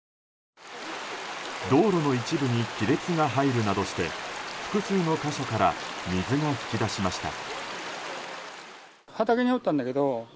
道路の一部に亀裂が入るなどして複数の箇所から水が噴き出しました。